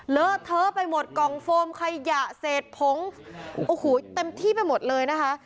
เลอะเทอะไปหมดกล่องโฟมขยะเศษผงโอ้โหเต็มที่ไปหมดเลยนะคะ